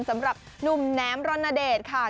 สำหรับหนุ่มแนมรณเดชค่ะ